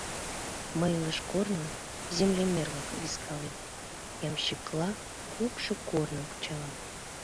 Мый илыш корным землемерла вискалем, ямщикла кукшо корным кычалам.